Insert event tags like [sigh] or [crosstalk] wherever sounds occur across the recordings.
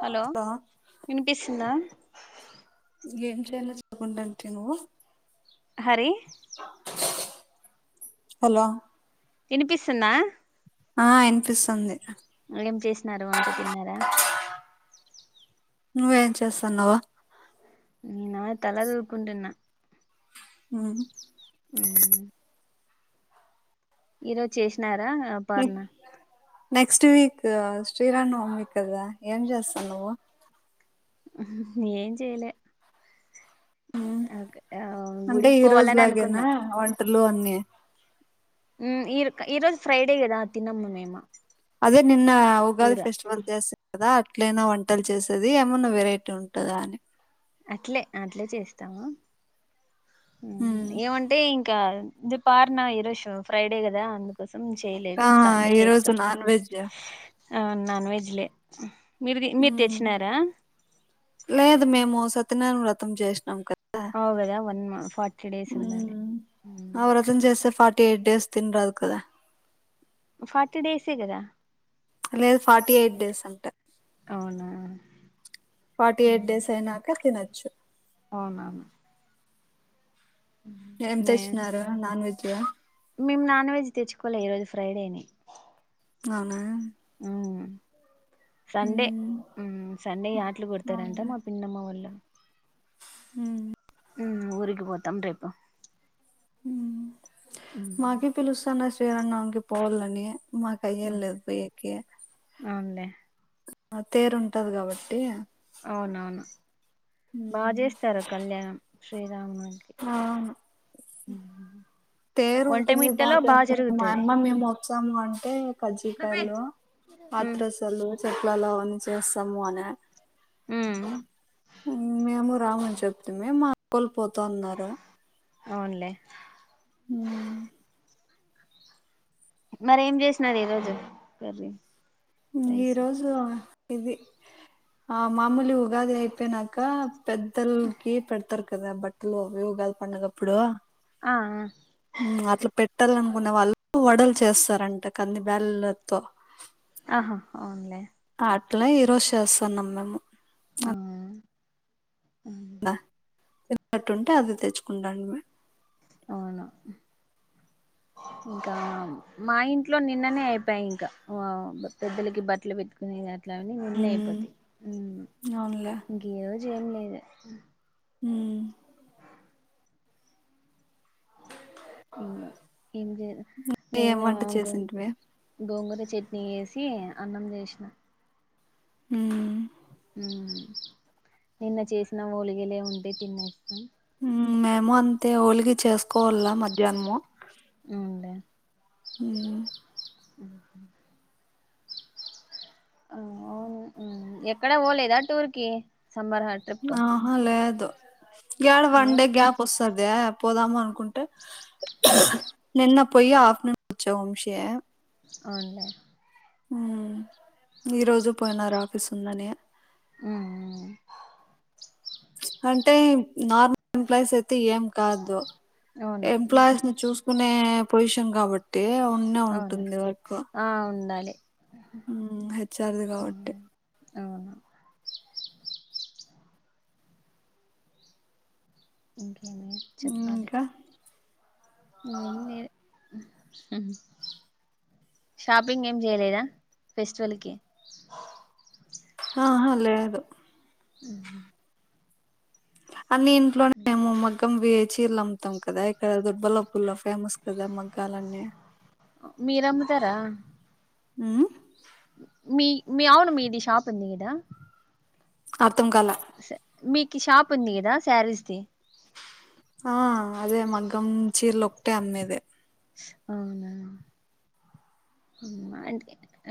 Hello వినిపిస్తుందా చేయాలా చెప్పుకుంటా ఆంటీవి నువ్వు హరి హలో వినిపిస్తుందా ఆ వినిపిస్తుంది. ఏం చేసినారు వంట తిన్నారా నువ్వేం చేస్తాన్నావ్. నేనా తలదువ్వుకుంటున్నా అహ ఈ రోజు చేసినారు. ర పార్నా నెక్స్ట్ వీక్ శ్రీరామనవమి కదా ఏం చేస్తాన్నవు. ఏం చేయలే. ఆ అంటే గుడికి ఈ పోవాలని రోజులాగేనా అనుకున్నాం వంటలు అన్ ని ఊ ఇ ఇ ఈరోజు ఫ్రైడే గదా తినమ్ మేమ్. అదే నిన్న ఉగాది ఫెస్టివల్ చేస్ కదా అట్లనా వంటలు చేసేది ఏమన్నా వెరైటీ ఉంటదా అని అట్లే అట్లే చేస్తాము. ఏమంటే ఇంకా ఇది పార్నా ఈరోజు ఫ్రైడే కదా అందుకు కోసం చేయలేదు ఆ సండే ఈరోజు చేస్తం. నాన్ వెజ్ ఆ నాన్ వెజ్లే మీరుది మీరు తెచ్చినారా సత్య నారాయణ వ్రతం చేసినాం కదా అవుగదా వన్ మ ఫార్టీ డేస్ ఉండాలే ఆ వ్రతం చేస్తే ఫార్టీ ఎయిట్ డేస్ తినరాదు కదా ఫార్టీ డేసే కదా లేద్ ఫార్టీ ఎయిట్ డేస్ అంట అవునా ఫార్టీ ఎయిట్ డేస్ అయినాక తినచ్చు. చ్చు. అవునా ఏం మే తెచ్చినారు నాన్ వెజ్ ఆ? మేము నాన్ వెజ్ తెచ్చుకో కోలే ఈరోజు ఫ్రైడేఅని అవునా అవును సండే మ్మ్. ఊ సండే యాటలు కొడతారంట మా పిన్నమ్మ వాళ్ళు హు ఊ ఊరికి పోతాం రేపు ఊ మ్మ్ మాకి పిలుస్తన్నర్ తిరుణాలకి పోవలనీ ఉ మా కయల్ లేదు పోయి ఎకే అవునులే ఆ తేరు ఉంటది కాబట్టి అవునవును బాగా చేస్తారు కళ్యాణం శ్రీ ఆవును తేరు ఒంటె ఉంటుంది బాగా మిట్టలో చేస్తా మా జరుగుతది అమ్మ మేము వస్తాము అంటే కజ్జీకాయలు మ్మ్ అత్రరసలు చెక్రాలు అవన్నీ చేస్తా స్తాము అన ఉమ్ రామ్ అని చెప్తిమి మా అక్కాఒళ్ళు పోతం పోతున్నారు అవునులే ఉమ్ మరీ ఏం చేసినారు ఈ రోజు కర్ర్రి ఈరోజు ఇది ఆ మామూలు ఉగాది అయిపోయినాక పెద్దల్కి పెడతర్ డా బట్టలు ఉగాది పండగ అప్పుడు ఆ ఉమ్ అట్లా పెట్టాలనుకునే వాళ్ళు వడలు చేస్తారంట కంది బేళలతో ఆహా అవునులే అట్లా ఈరోజ చేస్ న్నాం మేము ఆ అ ద తిన్నట్టుంటే అది తెచ్చుకుంటాంటిమి అవున ఇంకా మా ఇంట్లో నిన్ననే అయిపోయ ఇంకా పెద్దలకి బట్టలు పెట్టుకునే అట్లాని నిన్నే హ్మ్ అయిపోతాయి అవునులే ఇంక ఈ రోజు జు ఏం లేదు ఉమ్ ఏం ఏం నేను వంట గో చేసింటివి గోంగూర ఇ చట్నీ చేసి అన్నం చేసిన ఉమ్ ఉమ్ నిన్న చేసిన ఓలిగలే ఉంటే తినం ఉమ్ మేము అంతే ఒలిగాలు చేసుకోవాల మధ్యాహ్నము ఉమ్ ఆహ ఆ అవును ఎక్కడ పోలేదా టూర్ కి సమ్మర్ ట్రిప్ ఆ అ లేదు ఏడ వన్ డే గ్యాప్ వస్తాదా పోదాము అనుకుంటే నిన్న పోయి ఆఫటర్నూన్ వచ్చ వంశీ అవున్లే ఉ ఈ రోజు పోయినారు ఆఫీస్ ఉందని ఊ అంటే నార్మల్ ఎంప్లాయీస్ అయితే ఏం కాదు అవును ఎంప్లాయీస్ ని చూసుకునే పొజిషన్ కాబ అంటే ఉన్నే అవును ఉంటుంది వర్క్ ఆ ఉండాలి మ్ హెచ్ ఆర్ ది కాబట్టి అవును అ ఏమి చెప్పాలి ఇంకా షాపింగ్ ఏం చేయలేదా ఫెస్టివల్కి ఆహ లేదు ఊహు అన్ని ఇంట్లోనే మేము మగ్గం వే చీరలు అమ్ముతాం కదా యక్కడ దొడ్ బల పల్ల ఫేమస్ కదా మగ్గాాలన్నీ ఇత్తర ఉ మీ మీ ఆవును మీది షది కదా అర్థం కాలా స మీకు షాప్ ఉంది కదా శారీస్ ది ఆ అదే మగ్గం చీరలు ఒటే అమ్మేదే అవునా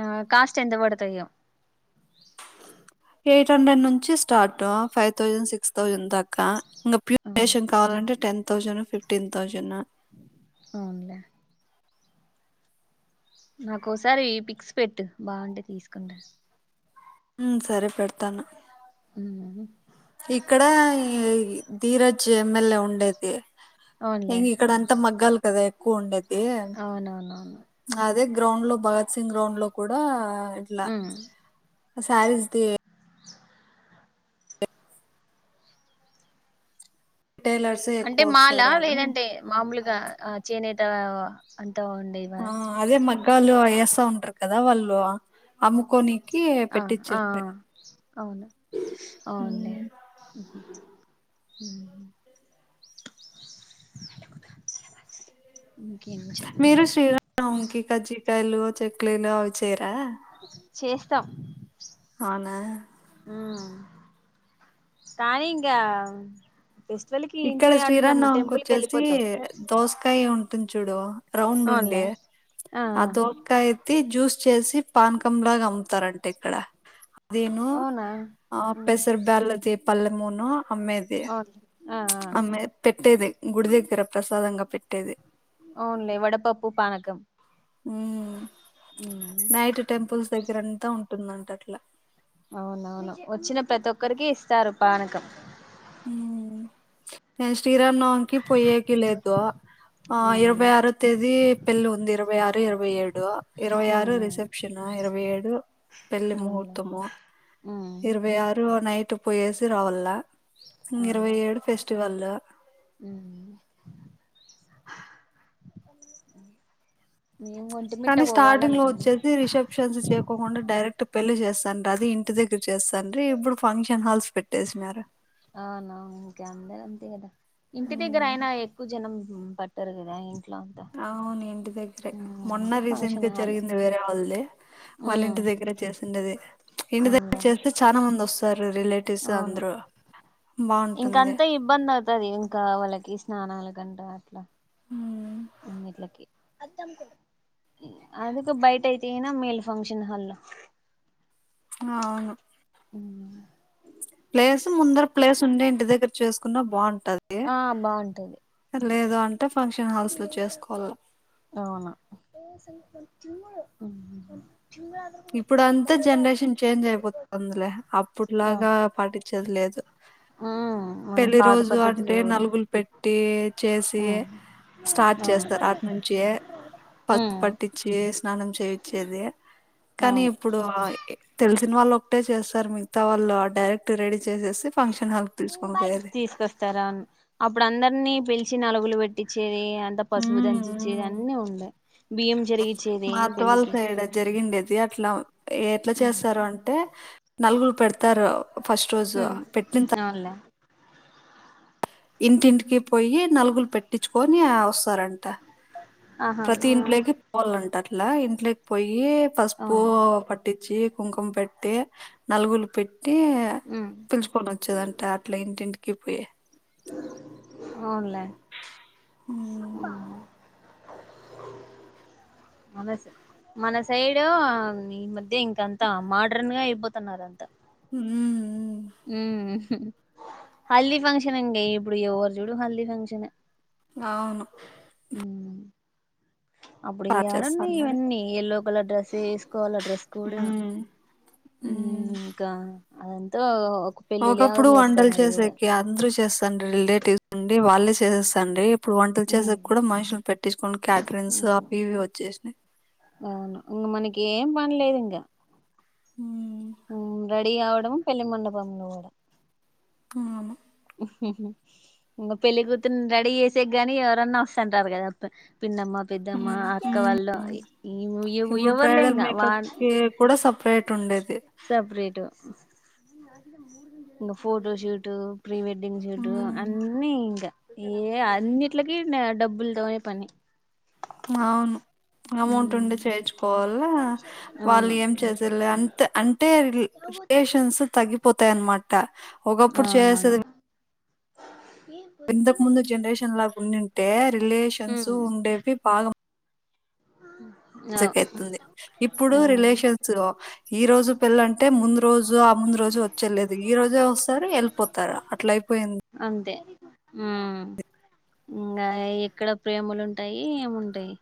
ఆ కాస్ట్ ఎంత పడతాయో ఎయిట్ హండ్రెడ్ నుంచి start five thousand six thousand దాకా ఇంకా ప్యూరేషన్ కావాలంటే టెన్ తౌసండ్ ఫిఫటీన్ తౌసండ్ అవున్లే నాకోసారి పిక్స్ పెట్టు బాగుంటే తీసుకుంటా మ్ సరే పెడతాను ఉ ఇక్కడ ధీరజ్ ఎమ్మెల్యే ఉండేది ఇం అవునులే ఇక్కడ అంతా మగ్గాలి కదా కొండ ఏ అవునవునవును అదే గ్రౌండ్ లో భగత్ సింగ్ గ్రౌండ్ లో కూడా హ్మ్ సారీస్ తీ టైలర్స్ అంటే ఎక్కువ మాల్ వస్తారు ఆ అని లేదంటే మామూలుగా చేనే ట అం ఆ అదే మగ్గాలు అయ్యేస ఉంటు కదా వాళ్ళు అమ్ముకోనికి ఆ ఆ పెట్టించిండ్రి అవును అవునులే ఉమ్, ఇంకేం మీరు చెప్పాలి శ్రీ రామనవమి ఉమ్, కి [unintelligible] కల్ చెెక్లీలు అవి చేయరు ఆ చేస్తాం అవునా కానీ ఇంకా ఫెస్టివల్ కి ఇక్కడ ఇంట్లో ఏడుంటాము శ్రీరామనవమి కి టెంపుల్ వచ్చేసి వెళ్ళిపోతాం దోసకాయ ఉం పట్తుం చూడు రౌండ్ ఉండడి అవునులే ఆ ఆ అద ఒక్కయితి జ్యూస్ చ్చసి పానకంలాగా అమ్ముతారంటే ఇక్కడ అదేను అవునా ఆ ఉమ్, పెసర్ బ్యాలద పల్మూను హమేది అవును ఆ ఆ ఆమె పెట్టేది గుడి దగ్గర ప్రసాదంగా పెట్టేది అవునులే వడపా పూ పనకం హ నైట్ టెంపుల్స్ దగ్గ దగ్గరంతా ఉంటుందంట అట్లా అవునవును వచ్చిన ప్రతి ఒక్కరికి ఇస్తారు పానకం నేను శ్రీరాన్నవంకి పోయ్యేకి లేదు ఆ ఇరవై అవునులే ఆరు తేదీ పెళ్లి ఉంది ఇరవై ఆరు ఇరవై ఏడు ఇరవై ఆరు ఉమ్ రిసెప్షన్ ఇరవై ఏడు పెళ్లి అవునులే ముహూర్తము ఉమ్ ఇరవై ఆరు నైట్ ఇటు పోయేసి రావల ఇ ఇరవై అవునులే ఏడు ఫెస్ట్ వల్ల ఉమ్ మేము ఒంటిమిట్ట కానీ స్టార్టింగ్ లో పోవాలనుకున్నాం వచ్చేసి రిసెప్షన్స్ చె కుండా డైరెక్ట్ పెళ్లి చేస్తాండది ఇంటి దగ్గర చేస్తాండ్రి ఇప్పుడు ఫంక్షన్ హాల్స్ పెట్టేసినారు అవునా ఓకే అందరు అంతే కదా ఇంటి దగ్గర అయినా ఎక్కువ జనం పట్టరు కదా ఇం అవును ఏంటి గ్గరే మొన్న అంటే రీసెంట్ గా ఫంక్షన్ హాల్ జరిగింది వేరే వాళ్ళది వాళ్ళ ఉమ్ ఇంటి దగ్గరే చేస్తుండేది ఇంటి దగ్గర అవునులే చేస్తే చాలా మంది వస్తారు రిలేటివ్స్ అవును అందరు బాగుంటుంది తది ఇంకా వాళ్ళకి స్నానాలకి అంట అట్లా ఉమ్, ట్లకి అందుకు బయట అయితేనా మేలు ఫంక్షన్ హల్ అవును ప్లేస్ ముందర ప్లేస్ ఉండే ఇంటి దగ్గర్ చేసుకున్నా బాగుం ఉంటది ఆ బాగుంటది లేద అంటే ఫంక్షన్ హాల్స్ లో చేసుకోవాల కొంచెం చిన్నది హ్మ్ హ్మ్ ఇప్పుడు అంతా జనరేషన్ చేంజ్ అయిపోతుందిలే ఆ అప్పుట్లాగా పాటించ దిలేదు ఉమ్ పెళ్లి పాత రోజు పద్ధతులు అంటే ఎవరు నలుగులు పెట్టి చేసి ఉమ్ స్టార్ట్ అవును చేస్తారు అటి నుంచి పసుపు ఉమ్ పట్టించి స్నానం చేయిచ్చేది కానీ అవును ఇప్పుడు ఆ [inaudible] తెలిసిన వాళ్ళు ఒకటే చేస్తారు మిగతా వాళ్లు direct ready by um by తీసుకొస్తారు అవును అప్పుడు అందరినీ పిలిచి నలుగులు పెట్టించేది అంత పసువు ఉమ్, దంచిచ్చేది ఉమ్. అన్నీ ఉండ బియ్యం చేరిగిచ్చేది పెళ్ళికి వియట్లా ఎట్లా ఉమ్ చేస్తారు అంటే నలుగురు పెడతారు ఫస్ట్ రోజు పెట్టిన్ త అవునులే ఇంటింటికి పోయి నలుగులు పెట్టించుకొని వస్తారంట ఆహా ప్రతి ఆ ఇంట్లోకి పోల్లంటారు లా ఇంట్లోకి పోయి పసుపు అవునులే పట్టి వచ్చి కుంకుం పెట్టి నలుగులు పెట్టి టి ఉమ్ పిలుచుకొని వచ్చేదంట అట్లా ఇంటింటికి పె అవునులే ఉమ్ ఉ మన మన సైడు ఈ మధ్య ఇంకంత మోడ్రన్ గా అయిపోతున్నారు అంత మ్ మ్ ఉ హల్ది ఫంక్షన్ అండి ఇప్పుడు ఎవరు చుడు హల్ది ఫంక్షన్ అవును అప్పుడు బాగా ఏడున్నాయి చేస్తాన్నారు ఇవన్నీ ఏలో బల డ్రెసస్ కోవాల డ్రెస్ కూడా ఉమ్ ఉమ్ ఇంకా అదంతో ఒకప్పుడు వండలు చేసాకి అందరూ చేస్ డి రిలేటివ్స్ ఉండి వాళ్ళే చేసస్తండి ఇప్పుడు వంటలు ఉమ్ చేసేక కూడా మనుషులు పెట్ట కొ క్యాటరిన్స్ ఆపి వచ్చేసినయ్ అవును ఇంకా మనకి ఏం పనిలేదు ఇంకా ఉమ్ రెడీ అవ్వడం పెళ్లి మండపం పోవడం అవును ఇంకా పెళ్ళ కూతురు రెడీ చేసే గాని ఎవరన్నా వస్తుంటారు కదా పిన్నమ్మ పెద్దమ్మ ఉమ్, అక్క వాళ్ళు ఉమ్. ఇప్పుడు ఎవరు బ్రైడల్ లేంకా వా మేకప్ కి కూడా సపరేట్ ఉండేది సపరేట్ ఇకా photoshoot pre wedding shirt um, అన్నీ ఇంకా ఏ అన్నిట్లకి డబ్బులతోనే పని మావును అమౌంట్ ఉండే చేర్చుకోవాలి వాళ్ళు అవును ఏం చేసేలే అంతే అంటే రిలేేషన్స్ తగిపోత అనమాట అ ఒకప్పుడు అవునవును చేసది ఇంతకు ముందు జనరేషన్ లాగా ఉండుంటే రిలేషన్స్ ఉండేవి బాగా అ మజకైతుంది ఇప్పుడు రిలేషన్స్ లో ఈ రోజు పెళ్ళంటే ముందు రోజు రోజు ఆ ముందు రోజు వచ్చేలేది ఈ రోజే వస్తారు వెళ్ళిపోతారు అట్ల అయిపోయింది ఉ ఇంకా ఎక్కడ ప్రేమలుంటాయి ఏముంటాయి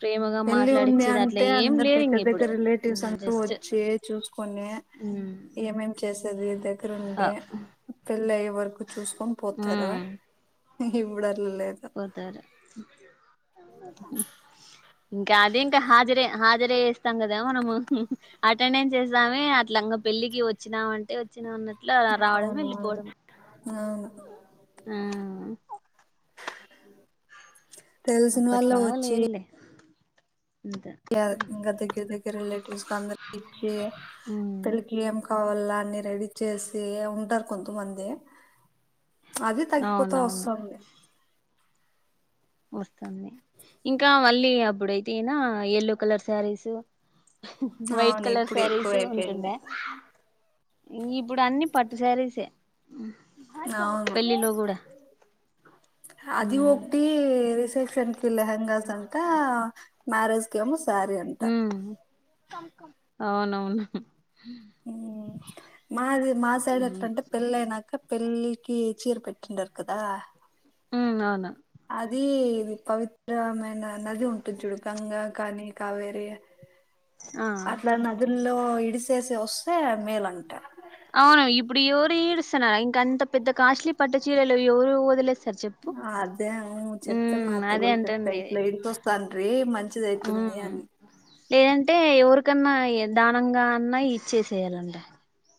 ప్రేమగా వెళ్లి ఉంది మాట్లాడిచ్చేది అట్లా అంటే ఏం అందరు లేదు ఇంగ దగ్గర ఇప్పుడు దగ్గర రిలేటివ్స్ అందరూ జస్ట్ వచ్చి చూసుకొనీ ఉమ్ ఏమేం చేస్ తది తె ఇక్కడ అ ఉండి పిల్ల ఏ వర్కు చూసుకొని పోతారా ఉమ్ ఇహ ఇప్పుడు అట్లా లేదు పోతారు ఇంకా అదే ఇంకా హాజరే హాజరేేస్తాం కదా మనము అటెండెన్స్ చేస్తామే అట్లా ఇంగ పెళ్ళికి వచ్చినామంటే వచ్చినా అన్నట్టు ఇట్లా రావడము అవునవును వెళ్ళిపోవడము అవును ఆ ఉ [unintelligible] [inaudible] తెలిసిన వాళ్లే అప్పట్లా వచ్చి లేదులే అంత ఇంకా దగ్గర దగ్గర రిలేటివ్స్ అందరికీ ఇచ్చి ఉమ్ పెళ్లికి కావాల అన్ని రెడీ చేసి ఉంటారు కొంతమంది అది తగ్గిపోతా వస్త అవునవును ఉంది ఇంకా మళ్ళీ అప్పుడైతేనా యల్లో కలర్ శారీస్ వైట్ అవును కలర్ ఇప్పుడు ఎక్కువ శారీస్ అయిపోయింది ఉంటుండే ఇంగ ఇప్పుడు అన్నీ పట్టు సారీస్ ఏ అవును అది ఉమ్ ఒటీ ఈ రిసెప్షన్ కి లెహెంగాస్ అంటా మ్యారేజ్ కేమో సారి అంట ఉమ్ అవునవును మాది మా సైడు ఎట్లంటే ఉమ్ పెళ్ళి అయినాక పెళ్ళి కీ చీర పెట్టిండారు కదా ఉ అవును అది ఇది పవిత్రమైన నది ఉంటుంది చూడు గంగా కానీ కావేరీ ఆ అట్లా నదుల్లో ఇడిస్ చేసి వస్తే మేలంట అవును ఇ ప్పుడు ఎవరు ఇడుస్తున్నారు ఇంకా అంత పెద్ద కాస్ట్లీ పట్టు చీరలు ఎవరు వదిలేస్ అదే చెప్తే మా అత్త అదే కూడా చెప్పే అంటుండేది ఇట్లా ఇ చ వస్తానీ మంచి మంచిదయితుంది ఉమ్ అని లేదంటే ఎవరికన్నా ఇగ దానంగా అన్నా ఇచ్చేసేయాలంటే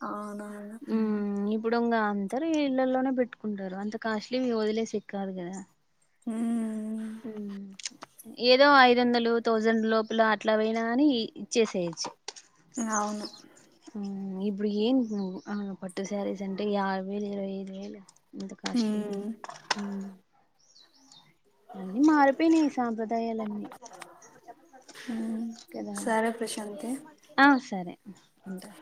అవునా హ్మ్ ఇప్పుడుంగ అందరు ఇళ్లలోనే పెట్టుకుంటారు అంత కాస్ట్లీ వి వది లేసి కి కాదు కదా హ ఏదో ఐదు వందలు థౌజండ్ లోపల అట్లాపోయినా గాని ఇచ్చేసేయచ్చు అవును ఉహ్ ఇబ్బుడు ఏంటి నువ్వు ఆహ్ పట్టు శారీస్ అంటే యావై వేలు ఇరవై ఐదు వేలు అంత కాస్ట్లీ వి మ్ ఆహ్ అన్ని మారిపోయినాయి సాంప్రదాయాలన్నీ కదా సరే ప్రశాంతి ఆ సరే ఉంటా.